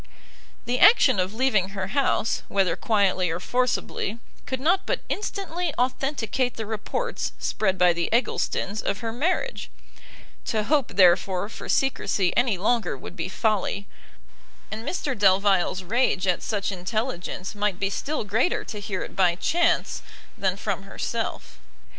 The action of leaving her house, whether quietly or forcibly, could not but instantly authenticate the reports spread by the Egglestons of her marriage: to hope therefore for secresy any longer would be folly, and Mr Delvile's rage at such intelligence might be still greater to hear it by chance than from herself.